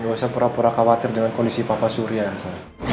nggak usah pura pura khawatir dengan kondisi papa surya